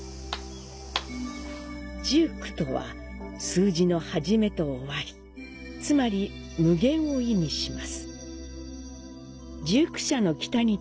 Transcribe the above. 十九とは数字の初めと終わり、つまり無限を意味します。